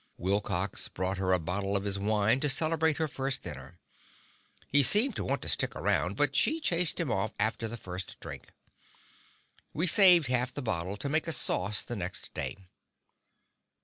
Wilcox brought her a bottle of his wine to celebrate her first dinner. He seemed to want to stick around, but she chased him off after the first drink. We saved half the bottle to make a sauce the next day.